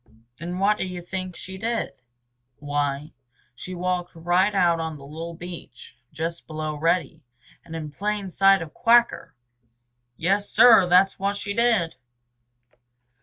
Then what do you think she did? Why, she walked right out on the little beach just below Reddy and in plain sight of Quacker! Yes, Sir, that is what she did!